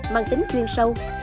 mang tính chuyên sâu